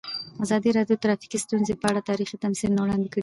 ازادي راډیو د ټرافیکي ستونزې په اړه تاریخي تمثیلونه وړاندې کړي.